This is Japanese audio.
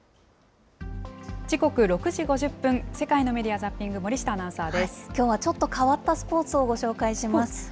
時刻６時５０分、世界のメディア・ザッピング、きょうはちょっと変わったスポーツをご紹介します。